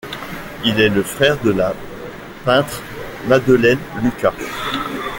Il est le frère de la peintre Madeleine Luka.